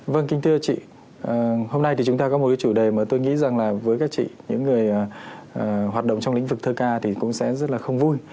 vâng kính thưa chị hôm nay thì chúng ta có một cái chủ đề mà tôi nghĩ rằng là với các chị những người hoạt động trong lĩnh vực thơ ca thì cũng sẽ rất là không vui